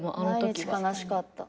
毎日悲しかった。